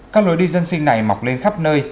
các lối đi dân sinh này mọc lên khắp nơi